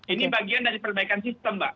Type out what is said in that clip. ini bagian dari perbaikan sistem mbak